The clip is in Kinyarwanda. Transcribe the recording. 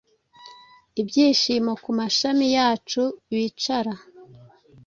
Ibyishimo ku mashami yacu bicara,